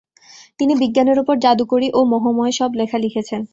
তিনি বিজ্ঞানের ওপর জাদুকরী ও মোহময় সব লেখা লিখেছেন।